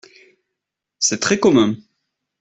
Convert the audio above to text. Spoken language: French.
C'est très commun !